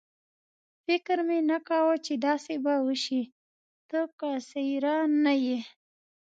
فکر مې نه کاوه چې داسې به وشي، ته کاسېره نه یې.